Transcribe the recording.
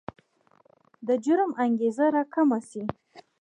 د جرم انګېزه راکمه شي.